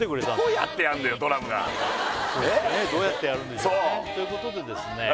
どうやってやんだよドラムがどうやってやるんでしょうねということでですね